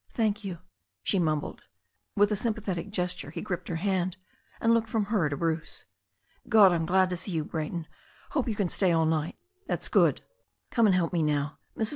"Thank you," she mumbled. With a sympathetic gesture he gripped her hand^ and looked from'^her to Bruce. "God! I'm glad to see you, Brayton. Hope you can stay all night? That's good. Come and help me now. Mrs.